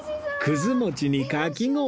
くず餅にかき氷。